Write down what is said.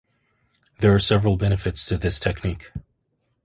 There are several benefits to this technique.